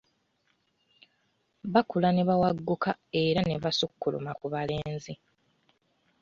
Bakula ne bawagguuka era ne basukkuluma ku balenzi.